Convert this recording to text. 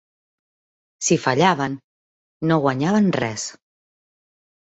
Si fallaven, no guanyaven res.